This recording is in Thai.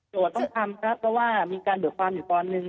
โจทย์ต้องทำครับเพราะว่ามีการบริษัทอยู่ก่อนหนึ่ง